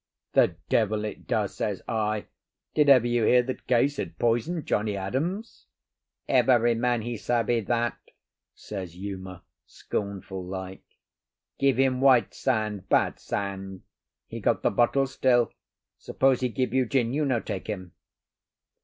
"The devil it does!" says I. "Did ever you hear that Case had poisoned Johnnie Adams?" "Every man he savvy that," says Uma, scornful like. "Give him white sand—bad sand. He got the bottle still. Suppose he give you gin, you no take him."